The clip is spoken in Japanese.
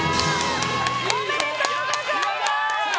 おめでとうございます！